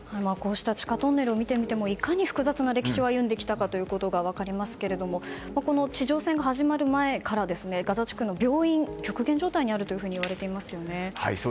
地下トンネルを見てみてもいかに複雑な歴史を歩んできたか分かりますがこの地上戦が始まる前からガザ地区の病院極限状態にあるといわれていますよね。